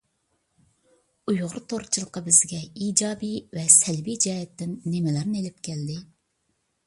ئۇيغۇر تورچىلىقى بىزگە ئىجابىي ۋە سەلبىي جەھەتتىن نېمىلەرنى ئېلىپ كەلدى؟